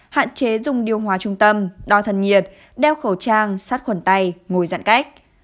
hạn chế dùng điều hòa trung tâm đo thân nhiệt đeo khẩu trang sát khuẩn tay ngồi giãn cách